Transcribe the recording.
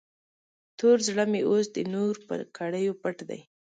تور زړه مې اوس د نور په کړیو پټ دی.